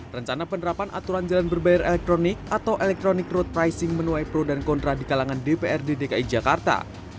rencana penerapan aturan jalan berbayar elektronik atau electronic road pricing menuai pro dan kontra di kalangan dprd dki jakarta